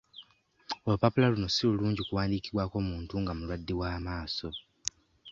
Olupapula luno si lulungi kuwandiikibwako muntu nga mulwadde w'amaaso.